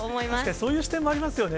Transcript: そういう視点もありますよね。